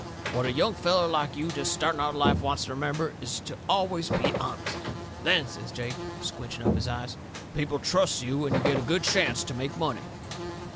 What a young feller like you jest starting out into life wants to remember is to always be honest. Then," says Jake, squinching up his eyes, "people trusts you and you get a good chancet to make money.